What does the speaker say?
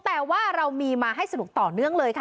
แต่ว่าเรามีมาให้สนุกต่อเนื่องเลยค่ะ